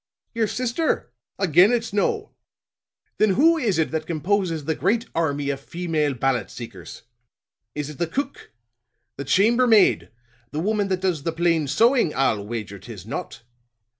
Your sister? Again it's no. Then who is it that composes the great army of female ballot seekers? Is it the cook? The chambermaid? The woman that does the plain sewing? I'll wager 'tis not.